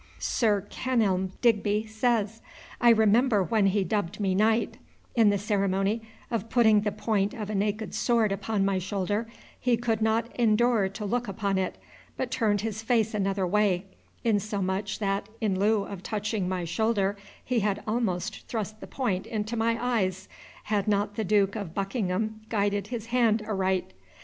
Sir Kenelm Digby says, "I remember when he dubbed me Knight, in the ceremony of putting the point of a naked sword upon my shoulder, he could not endure to look upon it, but turned his face another way, insomuch, that, in lieu of touching my shoulder, he had almost thrust the point into my eyes, had not the Duke of Buckingham guided his hand aright."